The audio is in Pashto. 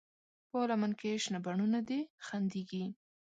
په لمن کې شنه بڼوڼه دي خندېږي